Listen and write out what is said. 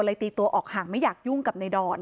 ตีตัวออกห่างไม่อยากยุ่งกับในดอน